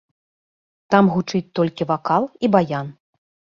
Там гучыць толькі вакал і баян.